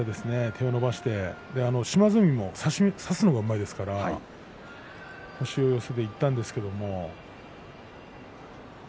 手を伸ばして島津海、差すのはうまいですから腰を寄せていったんですが。